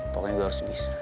pokoknya gue harus bisa